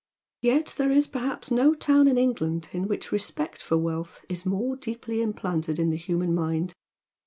Yet there is perhaps no town in England in which respect for wealth is more deeply implanted in the human mind.